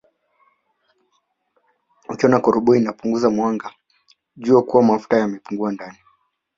Ukiona koroboi inapunguza mwanga jua kuwa mafuta yamepungua ndani